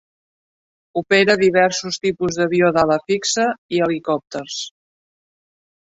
Opera diversos tipus d'avió d'ala fixa i helicòpters.